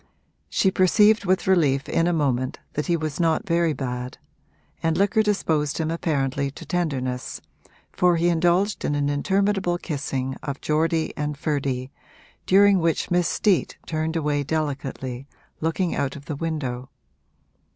She perceived with relief in a moment that he was not very bad, and liquor disposed him apparently to tenderness, for he indulged in an interminable kissing of Geordie and Ferdy, during which Miss Steet turned away delicately, looking out of the window.